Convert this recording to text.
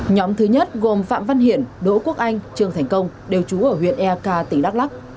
nhóm thứ nhất gồm phạm văn hiển đỗ quốc anh trương thành công đều trú ở huyện ek tỉnh đắc lộc